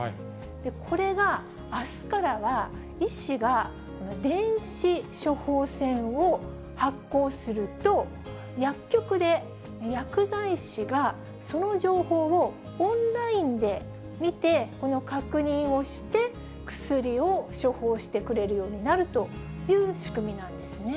これがあすからは、医師が電子処方箋を発行すると、薬局で薬剤師がその情報をオンラインで見て、この確認をして、薬を処方してくれるようになるという仕組みなんですね。